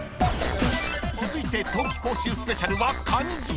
［続いて冬期講習スペシャルは漢字］